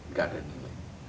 gak ada nilai